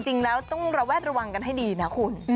จริงแล้วต้องระแวดระวังกันให้ดีนะคุณ